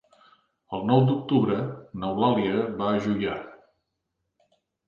El nou d'octubre n'Eulàlia va a Juià.